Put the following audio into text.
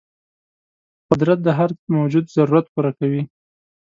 قدرت د هر موجود ضرورت پوره کوي.